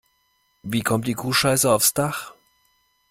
Wie kommt Kuhscheiße aufs Dach?